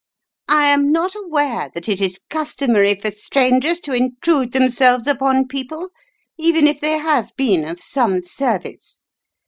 "I am not aware that it is customary for strangers to intrude themselves upon people, even if they have been of some service.